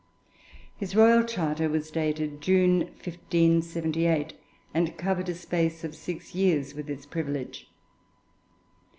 His royal charter was dated June 1578, and covered a space of six years with its privilege.